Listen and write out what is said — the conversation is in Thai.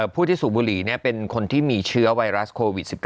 ผู้ที่สูบบุหรี่เป็นคนที่มีเชื้อไวรัสโควิด๑๙